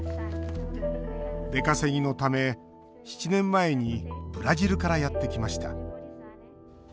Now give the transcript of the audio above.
出稼ぎのため７年前にブラジルからやってきました。